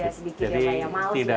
iya sedikit ya